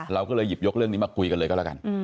เราก็เลยหยิบยกเรื่องนี้มาคุยกันเลยก็แล้วกัน